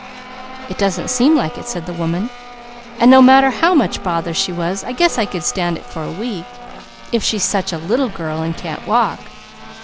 "It doesn't seem like it," said the woman, "and no matter how much bother she was, I guess I could stand it for a week, if she's such a little girl, and can't walk.